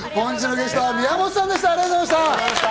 本日のゲスト・宮本浩次さんでした。